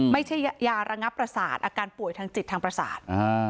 ไม่ใช่ยาระงับประสาทอาการป่วยทางจิตทางประสาท